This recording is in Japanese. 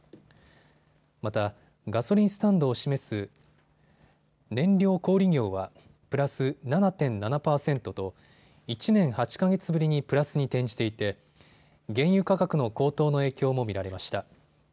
また、ガソリンスタンドを示す燃料小売業はプラス７．７％と１年８か月ぶりにプラスに転じていて原油価格の高騰の影響も見られました。